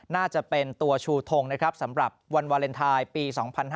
น่าจะเป็นตัวชูทงนะครับสำหรับวันวาเลนไทยปี๒๕๕๙